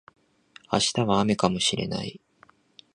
明日は雨かもしれない